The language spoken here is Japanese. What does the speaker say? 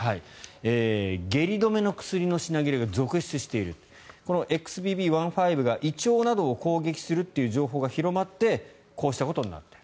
下痢止めの薬の品切れが続出しているＸＢＢ．１．５が胃腸などを攻撃するという情報が広まってこうしたことになっている。